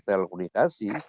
atau di bidang komunikasi